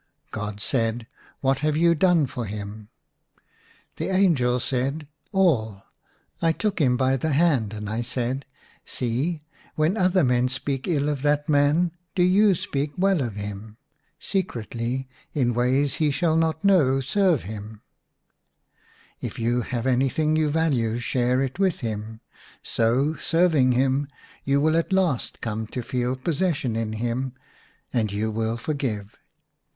God said, *' What have you done for him?" The angel said, " All . I took him by the hand, and I said, * See, when other men speak ill of that man do you speak well of him ; secretly, in ways he shall not know, serve him ; if you have anything you value share it with him, so, serving him, you will at I04 IN A RUINED CHAPEL. last come to feel possession in him, and you will forgive.'